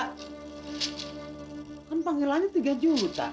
kan panggilannya tiga juta